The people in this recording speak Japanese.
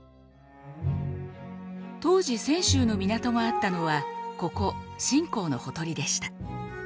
当時泉州の港があったのはここ晋江のほとりでした。